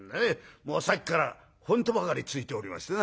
もうさっきから本当ばかりついておりましてな」。